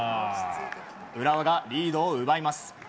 浦和がリードを奪います。